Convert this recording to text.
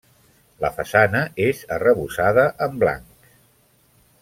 La façana és arrebossada en blanc.